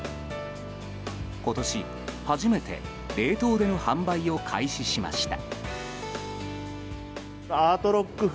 今年初めて冷凍での販売を開始しました。